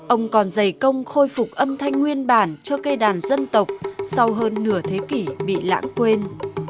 ông còn dày công khôi phục âm thanh nguyên bản cho cây đàn dân tộc sau hơn nửa thế kỷ bị lãng quên